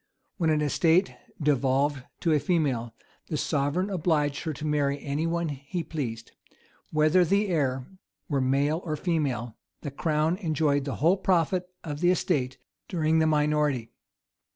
When an estate devolved to a female, the sovereign obliged her to marry anyone he pleased: whether the heir were male or female, the crown enjoyed the whole profit of the estate during the minority.